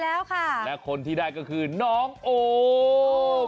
แล้วค่ะและคนที่ได้ก็คือน้องโอม